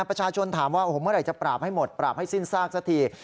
ประชาชนถามว่าโอ้โหเมื่อไหร่จะปราบให้หมดปราบให้สิ้นซากสักที